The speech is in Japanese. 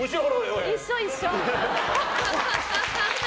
一緒、一緒。